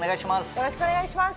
よろしくお願いします。